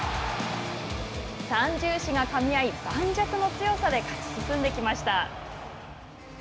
三銃士がかみ合い盤石の強さで勝ち進んできました。